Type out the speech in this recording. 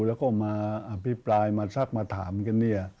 แล้วก็มาอภิปรายมาซักมาถามกันเนี่ย